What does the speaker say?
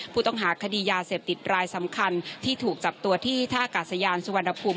ผู้ต้องหาคดียาเสพติดรายสำคัญที่ถูกจับตัวที่ท่ากาศยานสุวรรณภูมิ